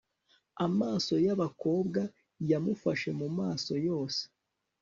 Amaso yabakobwa yamufashe mumaso yose